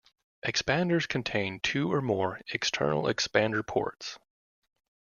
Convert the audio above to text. Expanders contain two or more external expander-ports.